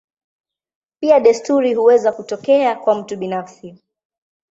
Pia desturi huweza kutokea kwa mtu binafsi.